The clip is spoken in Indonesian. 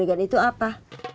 jegregan itu apa